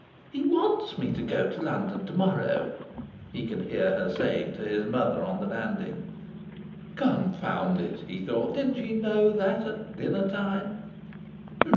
"He wants me to go to London to morrow," he could hear her saying to his mother on the landing. "Confound it!" he thought. "Didn't she know that at dinner time?"